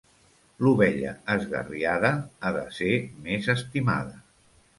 L'ovella esgarriada ha de ser més estimada.